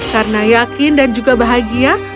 karena yakin dan juga bahagia